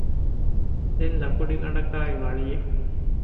ދެން ލަކުޑިގަނޑަކާއި ވަޅިއެއް